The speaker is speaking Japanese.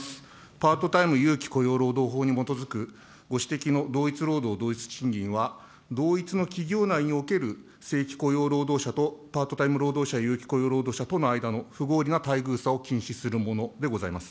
パートタイム有期雇用労働法に基づくご指摘の同一労働同一賃金は、同一の企業内における正規雇用労働者と、パートタイム労働者、有期雇用労働者との不合理な待遇差を禁止するものでございます。